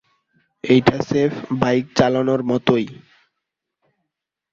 এটা স্রেফ বাইক চালানোর মতোই।